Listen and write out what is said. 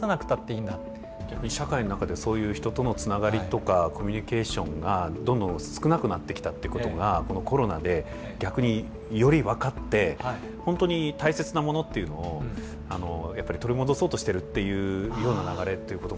逆に社会の中でそういう人とのつながりとかコミュニケーションがどんどん少なくなってきたっていうことがこのコロナで逆により分かってほんとに大切なものっていうのをやっぱり取り戻そうとしてるっていうような流れっていうことも？